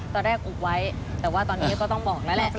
ตอนแรกอุบไว้แต่ว่าตอนนี้ก็ต้องบอกแล้วแหละ